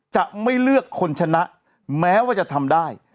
จะไม่เลือกคนชนะแม้ว่าจะทำได้